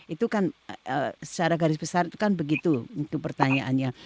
itu kan secara garis besar itu kan begitu itu pertanyaannya